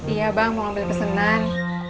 iya bang mau ambil pesanan